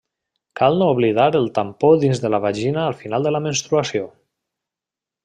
Cal no oblidar el tampó dins de la vagina al final de la menstruació.